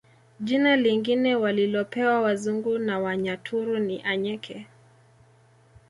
Jina lingine walilopewa wazungu na Wanyaturu ni Anyeke